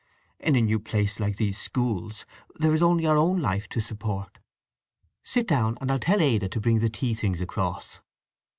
In a new place like these schools there is only your own life to support. Sit down, and I'll tell Ada to bring the tea things across."